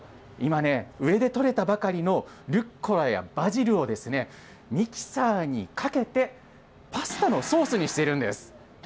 今ね、上で採れたばかりのルッコラやバジルを、ミキサーにかけて、パスタのソースにしているんです。